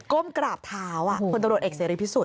้มกราบเท้าคนตำรวจเอกเสรีพิสุทธิ